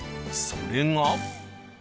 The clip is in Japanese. それが。